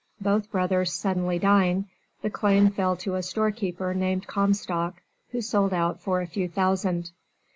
Both brothers suddenly dying, the claim fell to a storekeeper named Comstock who sold out for a few thousand.